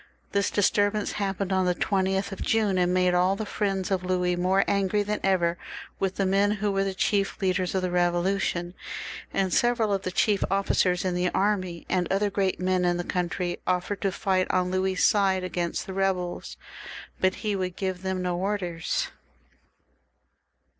This disturbance happened on the 20th of June, and made all the friends of Louis more angry than ever with the men 'who were the chief leaders of the Eevolution, and several of the chief officers in the army, and other great men in the country, offered to fight on Louis's side against the rebels, but he would give them no orders.